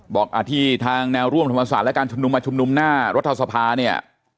บอกที่ทางแนวร่วมธรรมศาสตร์และการชุมนุมมาชุมนุมหน้ารัฐสภาเนี่ย